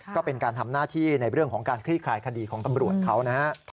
ก็เป็นการทำหน้าที่ในเรื่องของการคลี่คลายคดีของตำรวจเขานะฮะ